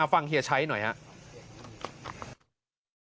ฟังเฮียใช้หน่อยครับ